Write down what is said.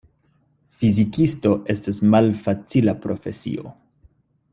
Fizikisto estas malfacila profesio.